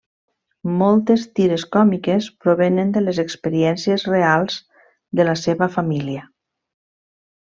Moltes tires còmiques provenen de les experiències reals de la seva família.